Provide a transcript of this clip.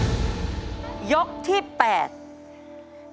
มันรุ้นเลยนะครับว่าจะมีการใช้สิทธิ์ยกกำลังซ่าเกิดขึ้นไหม